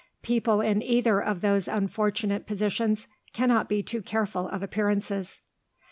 People in either of those unfortunate positions cannot be too careful of appearances.